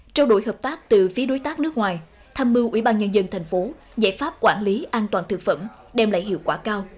trao đổi hợp tác từ phía đối tác nước ngoài tham mưu ủy ban nhân dân tp hcm giải pháp quản lý an toàn thực phẩm đem lại hiệu quả cao